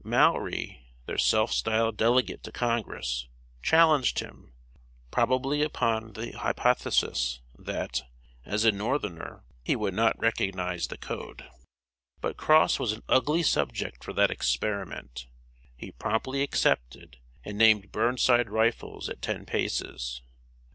Mowry, their self styled Delegate to Congress, challenged him probably upon the hypothesis that, as a Northerner, he would not recognize the code; but Cross was an ugly subject for that experiment. He promptly accepted, and named Burnside rifles at ten paces!